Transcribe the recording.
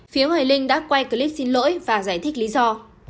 phía hoài linh đã quay clip xin lỗi và giải thích lý do